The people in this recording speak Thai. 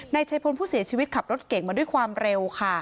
นายชัยพลผู้เสียชีวิตขับรถเก่งมาด้วยความเร็วค่ะ